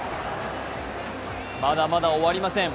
まだまだ終わりません。